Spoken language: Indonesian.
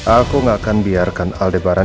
aku gak akan biarkan aldebaran